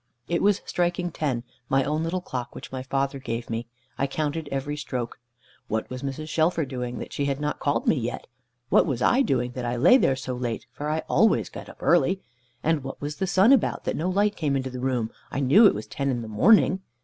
It was striking ten my own little clock which my father gave me. I counted every stroke. What was Mrs. Shelfer doing, that she had not called me yet? What was I doing, that I lay there so late; for I always get up early? And what was the sun about, that no light came into the room? I knew it was ten in the morning.